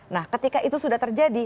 nah ketika itu sudah terjadi